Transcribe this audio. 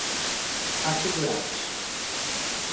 assegurados